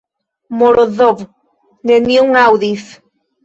Morozov nenion aŭdis.